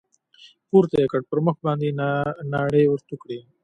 پورته يې كړ پر مخ باندې يې ناړې ورتو کړې.